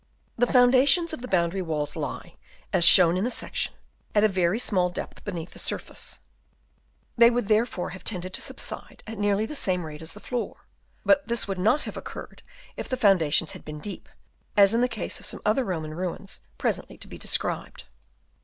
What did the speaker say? The foundations of the boundary walls lie, as shown in the section, at a very small depth beneath the surface ; they would therefore have tended to subside at nearly the same rate as the floor. But this would not have occurred if the foundations had been deep, as in the case of some other Roman ruins presently to be described.